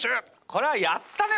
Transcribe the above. これはやったね